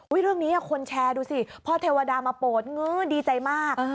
เรื่องนี้คนแชร์ดูสิพ่อเทวดามาโปรดงื้อดีใจมาก